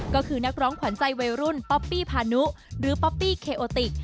ก็คือนักร้องขวัญใจวัยรุ่นป๊อปปี้พานุหรือป๊อปปี้เคโอติก